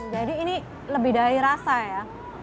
jadi ini lebih dari rasa ya